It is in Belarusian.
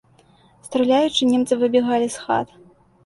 Страляючы, немцы выбягалі з хат.